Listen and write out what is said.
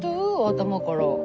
頭から。